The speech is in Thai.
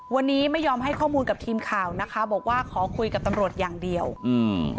วันนี้ไม่ยอมให้ข้อมูลกับทีมข่าวนะคะบอกว่าขอคุยกับตำรวจอย่างเดียวอืม